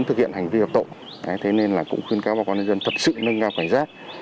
thực hiện hành vi hợp tộ thế nên là cũng khuyến cáo bà con nhân dân thật sự nâng cao cảnh giác